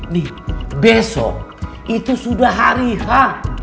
nih besok itu sudah hari h